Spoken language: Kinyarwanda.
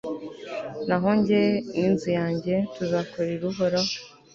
naho jye n'inzu yanjye tuzakorera uhoraho